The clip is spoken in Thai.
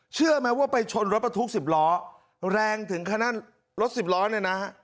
เชื่อไหมว่าไปชนรถบรรทุก๑๐ล้อแรงถึงขั้นรถสิบล้อเนี่ยนะฮะ